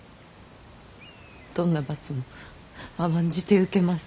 どんな罰も甘んじて受けます。